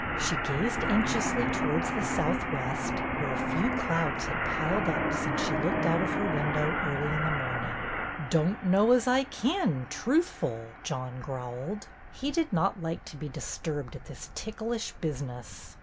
She gazed anxiously towards the southwest, where a few clouds had piled up since she looked out of her window early in the morning. 72 BETTY BAIRD'S GOLDEN YEAR "Don't know as I kin, truthful," John growled. He did not like to be disturbed at this ticklish business.